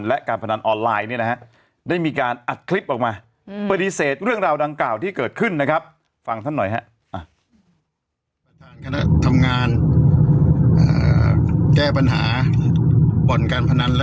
และการพนันออนไลน์นี่นะฮะ